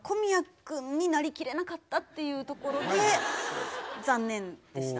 君になりきれなかったっていうところで残念でした。